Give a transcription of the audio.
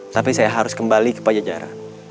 tapi saya harus kembali ke pajajaran